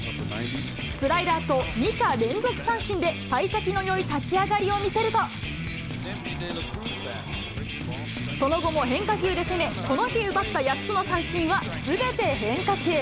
スライダーと、２者連続三振で、さい先のよい立ち上がりを見せると、その後も変化球で攻め、この日奪った８つの三振は、すべて変化球。